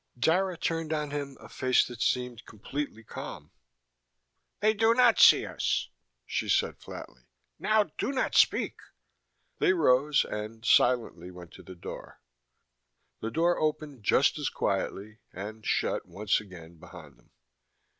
Dara turned on him a face that seemed completely calm. "They do not see us," she said flatly. "Now do not speak." They rose and, silently, went to the door. The door opened just as quietly, and shut once again behind them.